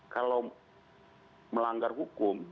kalau melanggar hukum